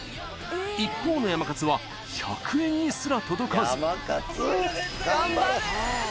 一方のやまかつは１００円にすら届かず頑張れ。